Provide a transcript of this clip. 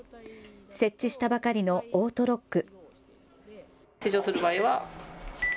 設置したばかりのオートロック。